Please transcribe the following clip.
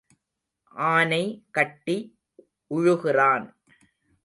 ஆனை கட்டி உழுகிறான்.